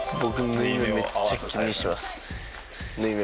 縫い目めっちゃ気にします僕。